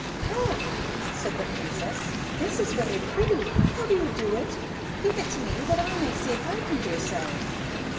"Ha!" said the Princess, "this is very pretty; how do you do it? Give it to me, that I may see if I can do so."